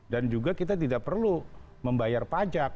dan juga kita tidak perlu membayar pajak